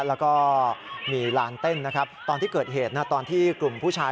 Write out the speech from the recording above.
แล้วก็มีลานเต้นนะครับตอนที่เกิดเหตุตอนที่กลุ่มผู้ชาย